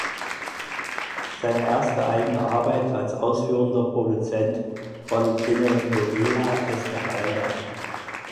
Seine erste eigene Arbeit als ausführender Produzent war die Telenovela "Esmeralda".